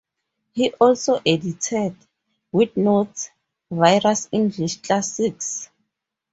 He also edited, with notes, various English classics.